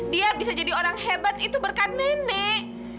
dia bisa jadi orang hebat itu berkat nenek